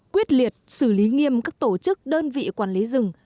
quyết liệt xử lý nghiêm các tổ chức đơn vị quản lý rừng